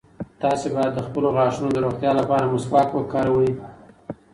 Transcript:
تاسي باید د خپلو غاښونو د روغتیا لپاره مسواک وکاروئ.